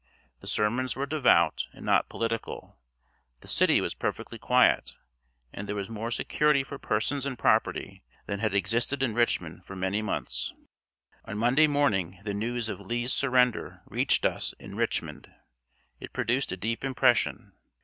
The sermons were devout and not political, the city was perfectly quiet, and there was more security for persons and property than had existed in Richmond for many months. On Monday morning the news of Lee's surrender reached us in Richmond. It produced a deep impression.